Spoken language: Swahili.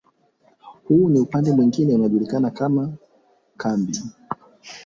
Huu ni upande mwingine unaojulikana kama kambi